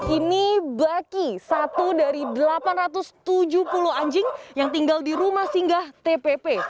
ini baki satu dari delapan ratus tujuh puluh anjing yang tinggal di rumah singgah tpp